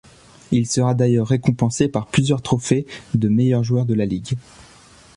Il sera d'ailleurs récompensé par plusieurs trophées de meilleur joueur de la ligue.